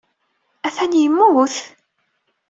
Atan yemmut?